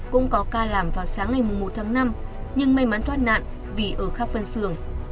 cũng có ca làm vào sáng ngày một tháng năm nhưng may mắn thoát nạn vì ở khắp phân xưởng